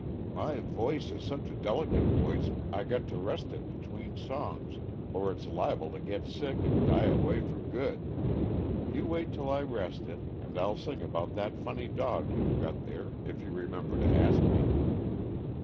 "My voice is such a delicate voice I got to rest it between songs or it's liable to get sick and die away for good. You wait 'til I rest it and I'll sing about that funny dog you've got there, if you remember to ask me."